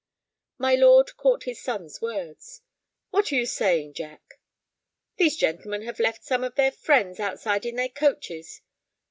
My lord caught his son's words. "What's that you are saying, Jack?" "These gentlemen have left some of their friends outside in their coaches.